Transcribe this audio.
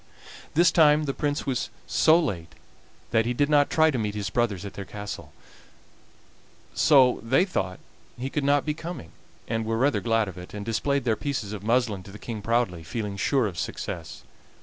This time the Prince was so late that he did not try to meet his brothers at their castle, so they thought he could not be coming, and were rather glad of it, and displayed their pieces of muslin to the King proudly, feeling sure of success.